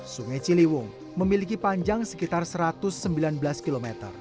sungai ciliwung memiliki panjang sekitar satu ratus sembilan belas km